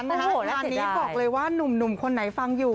งานนี้บอกเลยว่านุ่มคนไหนฟังอยู่